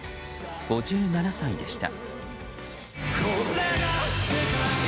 ５７歳でした。